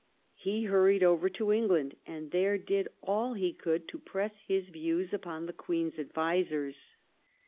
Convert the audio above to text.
He hurried over to England, and there did all he could to press his views upon the Queen's advisers.